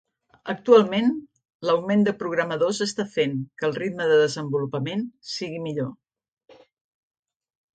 Actualment, l'augment de programadors està fent que el ritme de desenvolupament sigui millor.